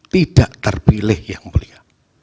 tiga puluh tidak terpilih yang mulia